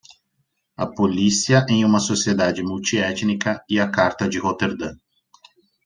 A polícia em uma sociedade multiétnica e a carta de Roterdã.